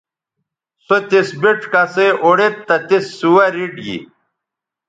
سو تس بِڇ کسئ اوڑید تہ تس سوہ ریٹ گی